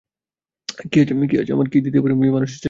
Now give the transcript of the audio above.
কী আছে আমার, কী দিতে পারি যাতে মানুষের ছেলের কান্না কমে!